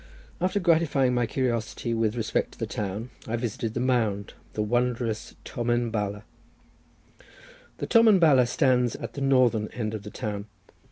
After gratifying my curiosity with respect to the town, I visited the mound—the wondrous Tomen Bala. The Tomen Bala stands at the northern end of the town.